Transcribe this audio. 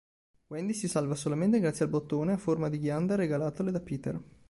Wendy si salva solamente grazie al bottone a forma di ghianda regalatole da Peter.